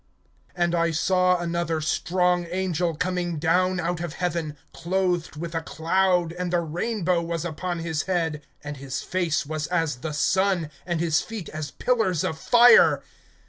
AND I saw another strong angel coming down out of heaven, clothed with a cloud, and the rainbow was upon his head, and his face was as the sun, and his feet as pillars of fire.